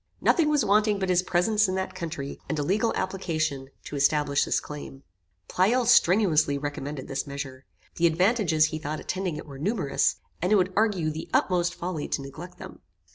Nothing was wanting but his presence in that country, and a legal application to establish this claim. Pleyel strenuously recommended this measure. The advantages he thought attending it were numerous, and it would argue the utmost folly to neglect them.